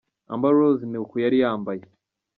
Amber Rose ni uku yari yambaye.